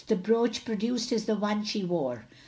The brooch produced is the one she wore.